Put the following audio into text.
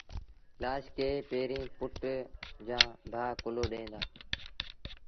لآش کي پيريݩ پُٽ جآݩ ڀآ ڪُلهو ڏيݩ دآ